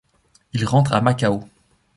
Il rentre à Macao.